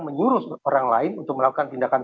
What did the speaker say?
menyuruh orang lain untuk melakukan tindakan